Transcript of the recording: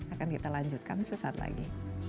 akan kita lanjutkan sesaat lagi